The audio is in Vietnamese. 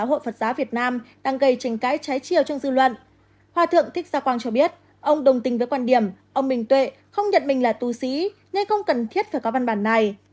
hòa thượng thích gia quang cho biết ông đồng tình với quan điểm ông bình tuệ không nhận mình là tu sĩ nên không cần thiết phải có văn bản này